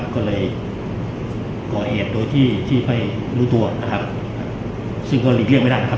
ก็เลยก่อเอสโดยที่ให้รู้ตัวซึ่งก็เลียกว่าไม่ได้ครับ